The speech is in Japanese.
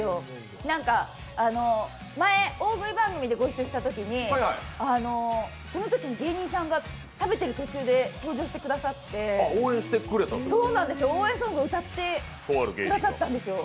前、大食い番組でご一緒したときにそのとき芸人さんが、食べている途中で登場してくださって応援ソングを歌ってくださったんですよ。